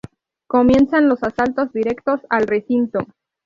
Comienzan los asaltos directos al recinto.